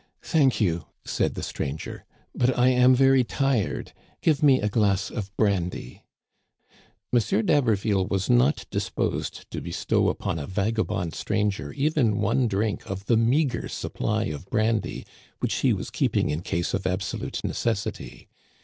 Thank you," said the stranger, " but I am very tired ; give me a glass of brandy." M. d'Haberville was not disposed to bestow upon a vagabond stranger even one drink of the meager supply of brandy, which he was keeping in case of absolute ne cessity.